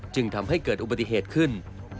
จึงทำให้เกิดอุบัติเหตุขึ้น